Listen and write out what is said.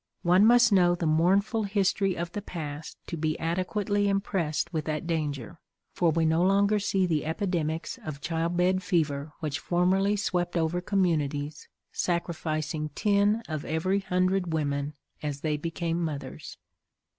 One must know the mournful history of the past to be adequately impressed with that danger, for we no longer see the epidemics of childbed fever which formerly swept over communities, sacrificing ten of every hundred women as they became mothers.